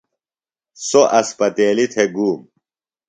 سوۡ اسپتیلیۡ تھےۡ گُوم۔